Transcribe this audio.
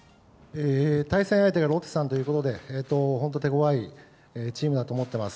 対戦相手がロッテさんということで、本当、手ごわいチームだと思ってます。